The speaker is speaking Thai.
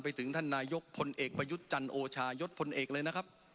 ไปถึงท่านนายกพลเอกประยุทธ์จันโอชายศพลเอกเลยนะครับ